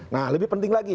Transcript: nah lebih penting lagi